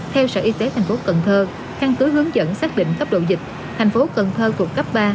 theo sở y tế tp cn khăn cứ hướng dẫn xác định cấp độ dịch tp cn của cấp ba